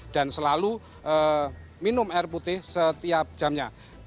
dan selalu minum air putih setiap jamnya